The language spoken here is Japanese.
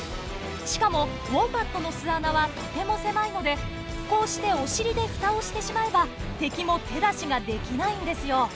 しかもウォンバットの巣穴はとても狭いのでこうしておしりでフタをしてしまえば敵も手出しができないんですよ。